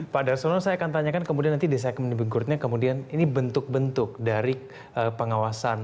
pak darsono saya akan tanyakan kemudian nanti di segmen berikutnya kemudian ini bentuk bentuk dari pengawasan